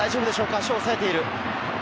足を押えている。